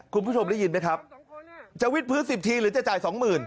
คุณผู้ชมได้ยินมั้ยครับจะวิทพฤษ๑๐ทีหรือจะจ่าย๒๐๐๐๐